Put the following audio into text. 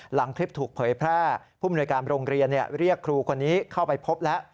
หลังคลิปถูกเผยแพร่ผู้มนวยการโรงเรียนเรียกครูคนนี้เข้าไปพบแล้ว